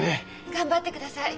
頑張ってください。